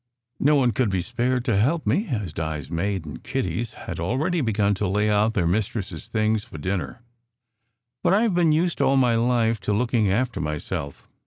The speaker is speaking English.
No one could be spared to help me, as Di s maid and Kitty s had already begun to lay out their mistresses things for dinner. But I have been used all my life to looking after myself.